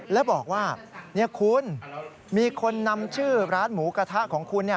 แล้วบอกว่าคุณมีคนนำชื่อร้านหมูกระทะของคุณ